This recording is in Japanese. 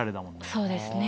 そうですね。